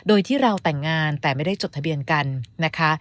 โดยที่เราแต่งงานแต่ไม่ได้จดทะเบียนกันนะคะ